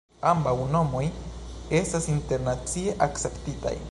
Ambaŭ nomoj estas internacie akceptitaj.